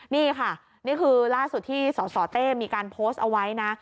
นี่ค่ะนี่คือล่าสุดที่สสเต้มีการโพสต์เอาไว้นะ